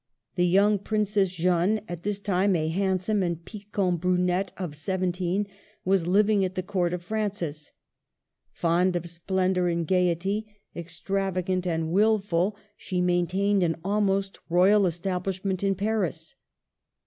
The young Princess Jeanne, at this time a handsome and piquante brunette of seventeen, was living at the Court of Francis. Fond of splendor and gayety, ex travagant and wilful, she maintained an almost royal establishment in Paris.